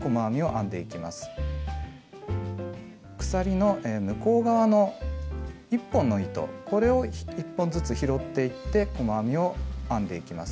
鎖の向こう側の１本の糸これを１本ずつ拾っていって細編みを編んでいきます。